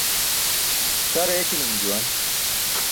Sare eki̇ni̇ṅ juwan.